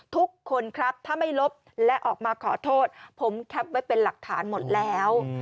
ทุกคนครับถ้าไม่ลบและออกมาขอโทษผมแคปไว้เป็นหลักฐานหมดแล้ว